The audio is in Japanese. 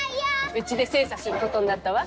うちで精査することになったわ。